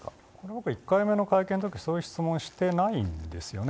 僕、１回目の会見のとき、そういう質問をしていないんですよね。